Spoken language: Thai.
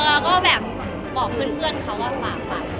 เออก็แบบบอกเพื่อนเขาปล่อยมาก